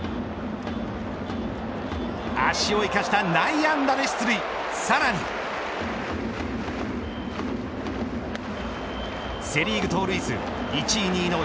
足を生かした内野安打で出塁、さらにセ・リーグ盗塁数１位、２位の